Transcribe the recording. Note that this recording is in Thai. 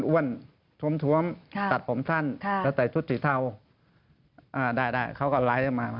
อ้วนถวมตัดผมสั้นและใส่ชุดสีเทาได้เขาก็ไลก์ออกมา